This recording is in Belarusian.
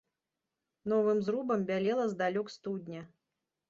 Новым зрубам бялела здалёк студня.